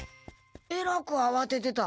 えらくあわててた。